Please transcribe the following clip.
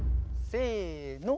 せの。